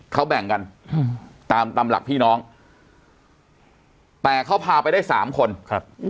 เขาแบ่งกันอืมตามตำหลักพี่น้องแต่เขาพาไปได้สามคนครับ